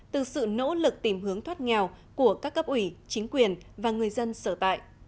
từ sự nỗ lực tìm hướng thoát nghèo của các cấp ủy chính quyền và người dân sở tại